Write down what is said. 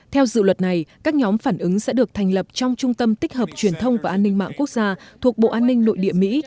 theo dự luật này các nhóm phản ứng sẽ được thành lập trong trung tâm tích hợp truyền thông và an ninh mạng quốc gia thuộc bộ an ninh nội địa mỹ